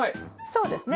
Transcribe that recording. そうですね。